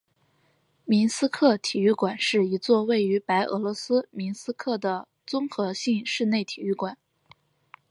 明斯克体育馆是一座位于白俄罗斯明斯克的综合性室内体育馆。